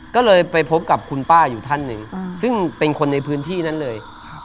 ก็เลยไปพบกับคุณป้าอยู่ท่านหนึ่งซึ่งเป็นคนในพื้นที่นั้นเลย